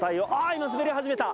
今滑り始めた！